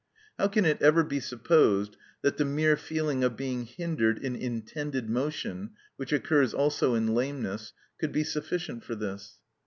How can it ever be supposed that the mere feeling of being hindered in intended motion, which occurs also in lameness, could be sufficient for this?